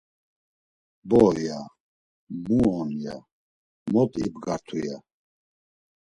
Bo, ya; mu on, ya; mot ibgartu, ya.